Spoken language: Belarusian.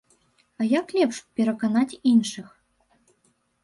А як лепш пераканаць іншых?